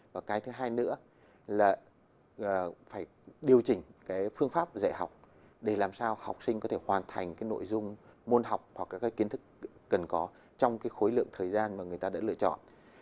và thứ hai nữa là phải điều chỉnh phương pháp dạy học để làm sao học sinh có thể hoàn thành nội dung môn học hoặc kiến thức cần có trong khối lượng thời gian mà người ta đã lựa chọn